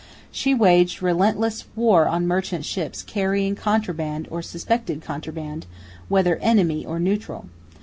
She waged relentless war on merchant ships carrying contraband or suspected contraband, whether enemy or neutral.